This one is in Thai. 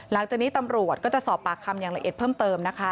หลังจากนี้ตำรวจก็จะสอบปากคำอย่างละเอียดเพิ่มเติมนะคะ